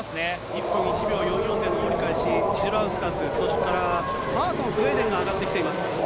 １分１秒４４での折り返し、シドラウスカス、そしてスウェーデンが上がってきています。